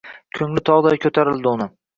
Ko‘ngli tog‘day ko‘tarildi uni.